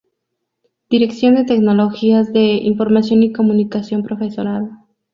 Dirección de Tecnologías de Información y Comunicación: Prof.